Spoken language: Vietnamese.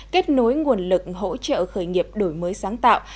kết nối nguồn lực hỗ trợ khởi nghiệp đổi mới sáng tạo